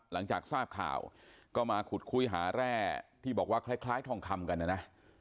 หลังจากทราบข่าวก็มาขุดคุยหาแร่ที่บอกว่าคล้ายทองคำกันนะนะ